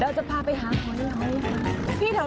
เราจะพาไปหาของนี้เลยค่ะ